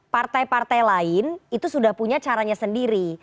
partai partai lain itu sudah punya caranya sendiri